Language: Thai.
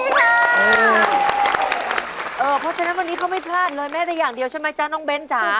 เพราะฉะนั้นวันนี้เขาไม่พลาดเลยแม้แต่อย่างเดียวใช่ไหมจ๊ะน้องเบ้นจ๋า